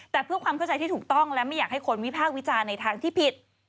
แต่เพื่อความเข้าใจที่ถูกต้องและไม่อยากให้คนวิพากษ์วิจารณ์ในทางที่ผิด